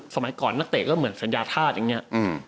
สมัยก่อนนักเตะก็เหมือนสัญญาธาตุอย่างนี้